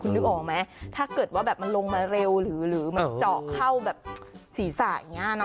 นึกออกไหมถ้าเกิดว่าแบบมันลงมาเร็วหรือมันเจาะเข้าแบบศีรษะอย่างนี้นะ